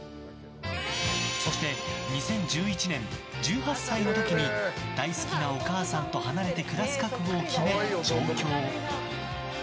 そして２０１１年、１８歳の時に大好きなお母さんと離れて暮らす覚悟を決め上京。